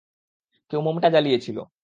কেউ মোম টা জ্বালিয়েছিল।